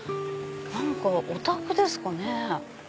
何かお宅ですかね。